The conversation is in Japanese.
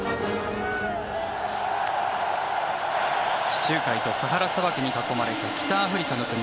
地中海とサハラ砂漠に囲まれた北アフリカの国。